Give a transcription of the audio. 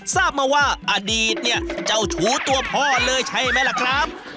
ทราบมาว่าอดีตเนี่ยเจ้าชูตัวพ่อเลยใช่ไหมล่ะครับ